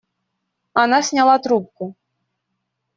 Она сняла трубку.